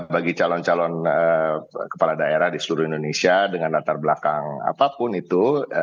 bagi calon calon kepala daerah di seluruh indonesia dengan latar belakang apapun itu